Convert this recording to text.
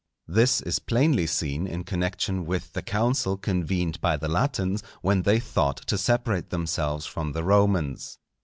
This is plainly seen in connection with the council convened by the Latins when they thought to separate themselves from the Romans.